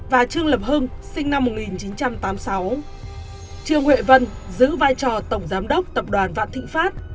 và trương lập hưng sinh năm một nghìn chín trăm tám mươi sáu trương huệ vân giữ vai trò tổng giám đốc tập đoàn vạn thịnh pháp